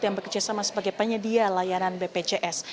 yang bekerjasama sebagai penyedia layanan bpjs